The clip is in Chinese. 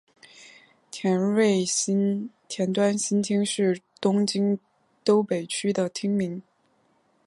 田端新町是东京都北区的町名。